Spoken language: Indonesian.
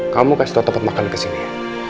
kamu kasih tau tempat makan di sini ya